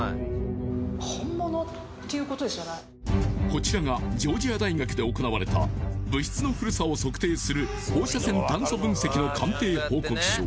こちらがジョージア大学で行われた物質の古さを測定する放射性炭素分析の鑑定報告書